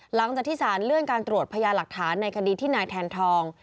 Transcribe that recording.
หลังจากที่สารเลื่อนการตรวจพยาหลักฐานในคดีที่นายแทนทอง